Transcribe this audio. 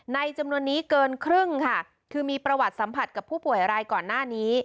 จำนวนนี้เกินครึ่งค่ะคือมีประวัติสัมผัสกับผู้ป่วยรายก่อนหน้านี้